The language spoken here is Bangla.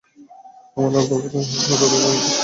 আর আমার বাবা সবসময়ই তাদের দেনায় থাকতেন।